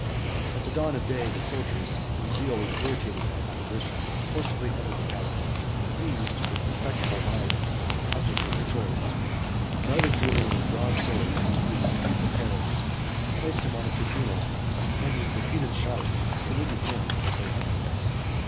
At the dawn of day, the soldiers, whose zeal was irritated by opposition, forcibly entered the palace, seized, with respectful violence, the object of their choice, guarded Julian with drawn swords through the streets of Paris, placed him on the tribunal, and with repeated shouts saluted him as their emperor.